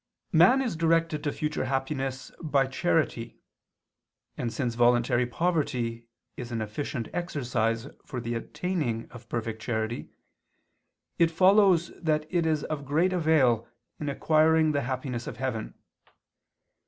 Man is directed to future happiness by charity; and since voluntary poverty is an efficient exercise for the attaining of perfect charity, it follows that it is of great avail in acquiring the happiness of heaven.